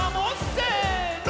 せの！